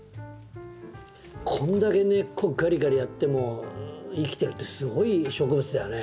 これだけ根っこがりがりやっても生きてるってすごい植物だよね。